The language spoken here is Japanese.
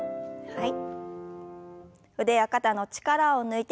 はい。